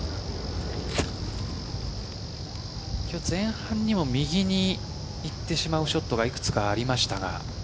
今日、前半にも右に行ってしまうショットがいくつかありましたが。